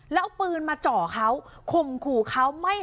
แล้วปืนมาจอเขาค่มขอเขาไม่ให้เขาส่งเสียง